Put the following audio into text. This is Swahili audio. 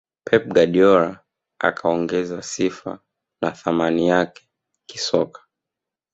pep guardiola akaongeza sifa na thamani yake kisoka